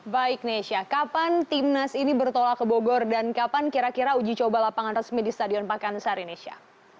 baik nesha kapan timnas ini bertolak ke bogor dan kapan kira kira uji coba lapangan resmi di stadion pakansari nesya